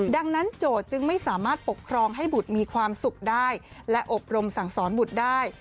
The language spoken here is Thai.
ดังนั้นโจทย์จึงไม่สามารถปกครองให้บุตรมีความสุขได้และอบรมสั่งสอนบุตรได้